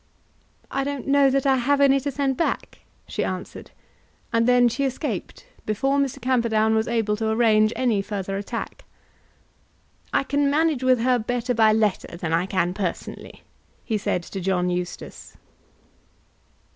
"I don't know that I have any to send back," she answered; and then she escaped before Mr. Camperdown was able to arrange any further attack. "I can manage with her better by letter than I can personally," he said to John Eustace.